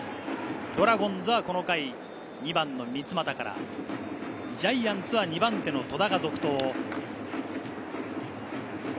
ドラゴンズはこの回、２番の三ツ俣からジャイアンツは２番手の戸田が続投。